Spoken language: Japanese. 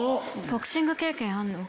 ボクシング経験あるの？